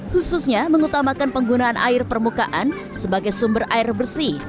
khususnya mengutamakan penggunaan air permukaan sebagai sumber air bersih